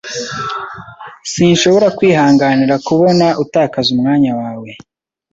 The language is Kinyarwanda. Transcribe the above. Sinshobora kwihanganira kubona utakaza umwanya wawe.